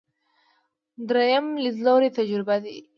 درېیم لیدلوری تجربي دی.